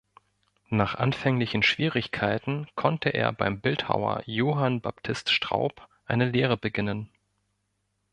Nach anfänglichen Schwierigkeiten konnte er beim Bildhauer Johann Baptist Straub eine Lehre beginnen.